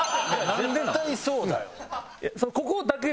絶対そうだよ。